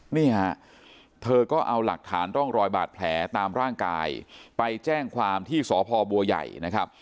นี่ฮะเธอก็เอาหลักฐานร่องรอยบาดแผลตามร่างกายไปแจ้งความที่สพบัวใหญ่นะครับ